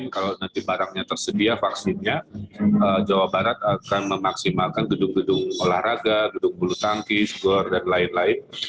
kalau nanti barangnya tersedia vaksinnya jawa barat akan memaksimalkan gedung gedung olahraga gedung bulu tangkis gor dan lain lain